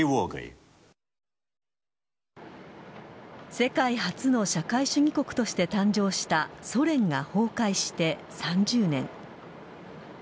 世界初の社会主義国として誕生したソ連が崩壊して３０年。